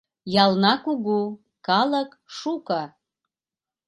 Ялна кугу, калык шуко